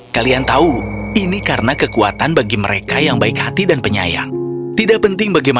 kalian tahu ini karena kekuatan bagi mereka yang baik hati dan penyayang